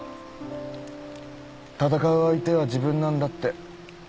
闘う相手は自分なんだって。